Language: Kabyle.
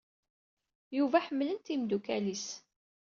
Yuba ḥemmlen-t yimeddukal-is.